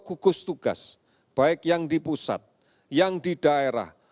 gugus tugas baik yang di pusat yang di daerah